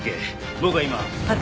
僕は今。